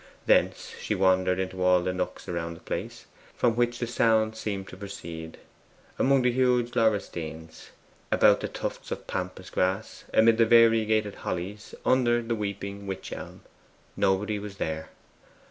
Thence she wandered into all the nooks around the place from which the sound seemed to proceed among the huge laurestines, about the tufts of pampas grasses, amid the variegated hollies, under the weeping wych elm nobody was there.